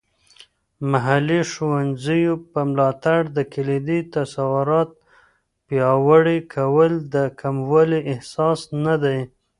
محلي ښوونځیو په ملاتړ د کلیدي تصورات پیاوړي کول د کموالی احساس نه دی.